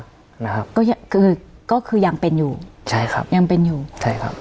นะครับก็คือก็คือยังเป็นอยู่ใช่ครับยังเป็นอยู่ใช่ครับ